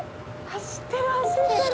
走ってる走ってる。